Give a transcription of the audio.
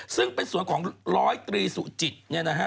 ซึ่งเป็นสวนของ๑๐๓สุจิตเนี่ยนะฮะ